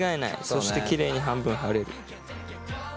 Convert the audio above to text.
そしてきれいに半分貼れる。